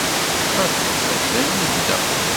Xaṭi, mazal ibda.